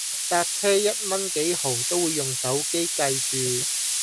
搭車一蚊幾毫都會用手機計住